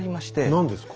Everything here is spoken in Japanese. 何ですか？